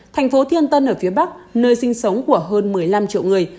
thành phố thiên tân ở phía bắc nơi sinh sống của hơn một mươi năm triệu người